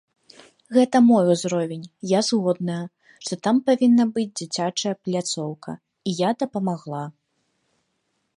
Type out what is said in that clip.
Гэта мой узровень, я згодная, што там павінна быць дзіцячая пляцоўка, і я дапамагла.